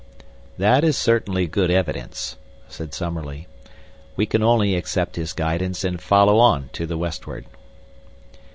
"That is certainly good evidence," said Summerlee. "We can only accept his guidance and follow on to the westward."